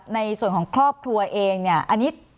ในส่วนของครอบครัวเองเนี่ย